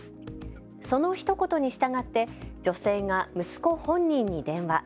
そのひと言に従って女性が息子本人に電話。